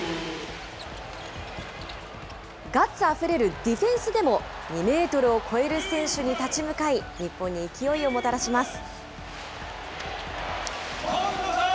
ガッツあふれるディフェンスでも、２メートルを超える選手に立ち向かい、日本に勢いをもたらします。